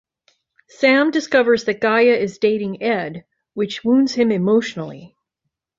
Sam discovers that Gaia is dating Ed, which wounds him emotionally.